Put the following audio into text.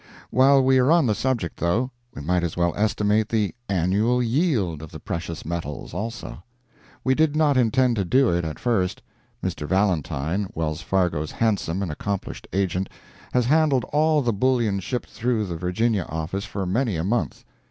While we are on the subject, though, we might as well estimate the "annual yield" of the precious metals, also; we did not intend to do it at first. Mr. Valentine, Wells Fargo's handsome and accomplished agent, has handled all the bullion shipped through the Virginia office for many a month.